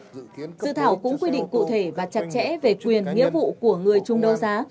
dự thảo cũng quy định cụ thể và chặt chẽ về quyền nghĩa vụ của người chung đấu giá